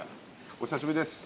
お久しぶりです。